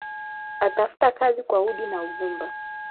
Atafta kazi kwa udi na uvumba